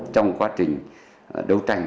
trong quá trình đấu tranh